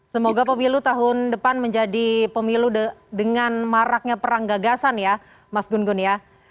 semoga pemilu tahun depan menjadi pemilu dengan maraknya perang gagasan ya mas gun gun ya